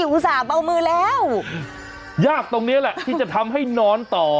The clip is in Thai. อุตส่าห์เบามือแล้วยากตรงนี้แหละที่จะทำให้นอนต่อ